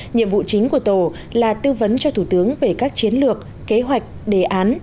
nhiệm vụ chính của tổ là tư vấn cho thủ tướng về các chiến lược kế hoạch đề án